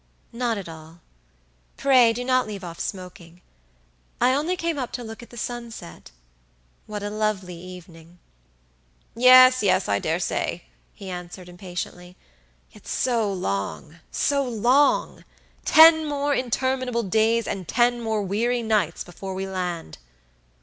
"Not at all; pray do not leave off smoking. I only came up to look at the sunset. What a lovely evening!" "Yes, yes, I dare say," he answered, impatiently; "yet so long, so long! Ten more interminable days and ten more weary nights before we land."